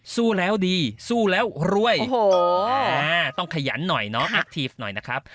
สู้แล้วดีสู้แล้วรวยต้องขยันหน่อยนะครับ